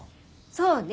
そうね